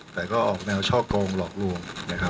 แต่ก็ออกแนวช่อกงหลอกลวง